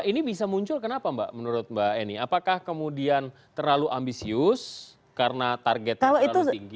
ini bisa muncul kenapa mbak menurut mbak eni apakah kemudian terlalu ambisius karena targetnya terlalu tinggi